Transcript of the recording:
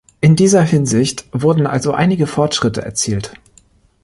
In dieser Hinsicht wurden also einige Fortschritte erzielt.